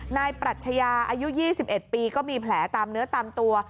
ปรัชญาอายุ๒๑ปีก็มีแผลตามเนื้อตามตัว